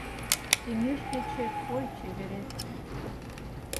Кеҥеж кечет ой чеверет